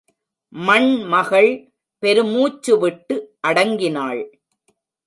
மண்மகள் பெருமூச்சு விட்டு அடங்கினாள்.